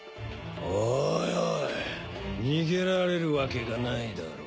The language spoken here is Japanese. おいおい逃げられるわけがないだろう。